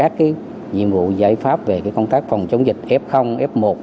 và thực hiện các nhiệm vụ giải pháp về công tác phòng chống dịch f f một